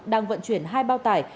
đang vận chuyển hai bao tải